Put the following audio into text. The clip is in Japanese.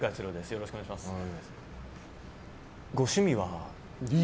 よろしくお願いします。